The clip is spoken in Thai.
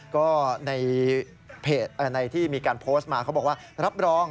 ก็ในเพจในที่มีการโพสต์มาเขาบอกว่ารับรอง